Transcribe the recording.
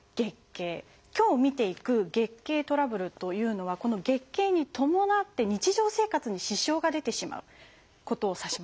今日見ていく月経トラブルというのはこの月経に伴って日常生活に支障が出てしまうことを指します。